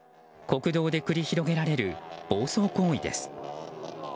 国道で繰り広げられる暴走行為です。